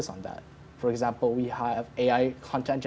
contohnya kami memiliki sistem generasi konten ai